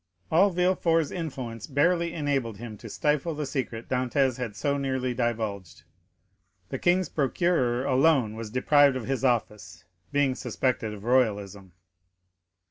All Villefort's influence barely enabled him to stifle the secret Dantès had so nearly divulged. The king's procureur alone was deprived of his office, being suspected of royalism.